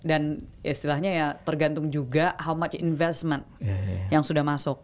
dan istilahnya ya tergantung juga how much investment yang sudah masuk